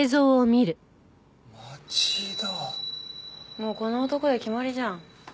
もうこの男で決まりじゃん。